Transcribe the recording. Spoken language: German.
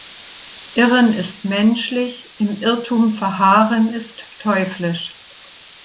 Irren ist menschlich, im Irrtum verharren ist teuflisch.